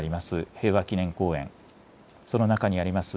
平和記念公園、その中にあります